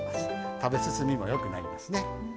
食べ進みもよくなりますね。